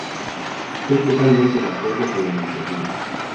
Estoy totalmente de acuerdo con la iniciativa